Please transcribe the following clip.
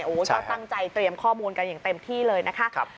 โอ้โหก็ตั้งใจเตรียมข้อมูลกันอย่างเต็มที่เลยนะคะ